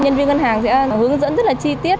nhân viên ngân hàng sẽ hướng dẫn rất là chi tiết